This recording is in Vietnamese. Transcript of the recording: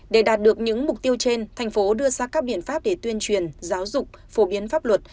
để đạt được những mục tiêu trên thành phố đưa ra các biện pháp để tuyên truyền giáo dục phổ biến pháp luật